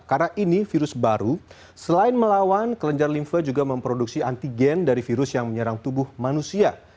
karena ini virus baru selain melawan kelenjar limfah juga memproduksi antigen dari virus yang menyerang tubuh manusia